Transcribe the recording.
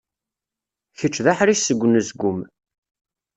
Kečč d aḥric seg unezgum.